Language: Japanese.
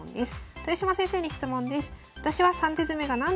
「豊島先生に質問です」。